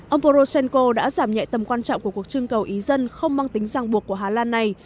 ông poroshenko đã giảm nhẹ tầm quan trọng của cuộc trưng cầu ý dân không mang tính giang buộc của hà lan này